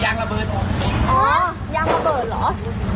อย่างระเบิดเหรอ